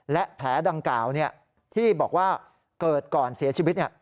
และแผลดังกล่าวที่บอกว่าเกิดก่อนเสียชีวิต